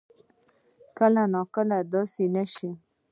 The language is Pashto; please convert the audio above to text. کله کله داسې نه شي